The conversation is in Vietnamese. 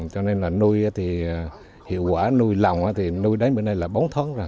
cho nên là nuôi thì hiệu quả nuôi lòng thì nuôi đến bữa nay là bốn tháng rồi